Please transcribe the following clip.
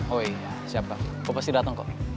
oh iya siap bang gue pasti dateng kok